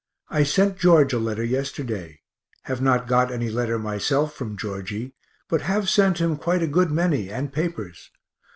I sent George a letter yesterday have not got any letter myself from Georgy, but have sent him quite a good many and papers.